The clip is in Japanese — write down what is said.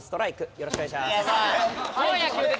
よろしくお願いします。